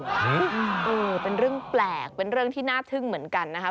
เออเป็นเรื่องแปลกเป็นเรื่องที่น่าทึ่งเหมือนกันนะคะ